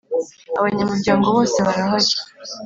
Abanyamuryango bose barahari.